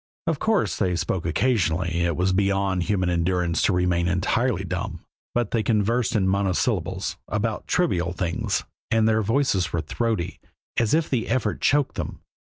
Of course they spoke occasionally it was beyond human endurance to remain entirely dumb but they conversed in monosyllables, about trivial things, and their voices were throaty, as if the effort choked them.